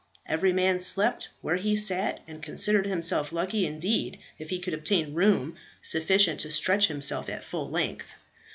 Every man slept where he sat, and considered himself lucky indeed if he could obtain room sufficient to stretch himself at full length.